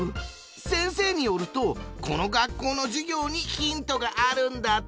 先生によるとこの学校の授業にヒントがあるんだって。